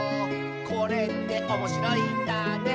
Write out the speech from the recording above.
「これっておもしろいんだね」